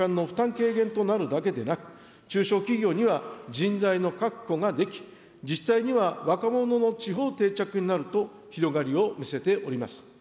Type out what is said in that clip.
軽減となるだけでなく、中小企業には人材の確保ができ、自治体には若者の地方定着になると、広がりを見せております。